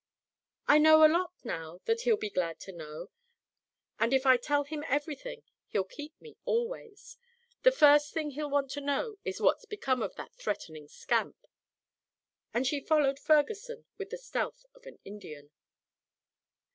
"I know a lot now that he'll be glad to know, and if I tell him everything he'll keep me always. The first thing he'll want to know is what's become of that threatenin' scamp," and she followed Ferguson with the stealth of an Indian.